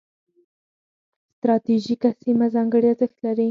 ستراتیژیکه سیمه ځانګړي ارزښت لري.